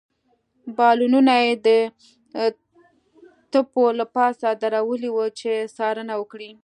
بالونونه يې د تپو له پاسه درولي ول، چې څارنه وکړي.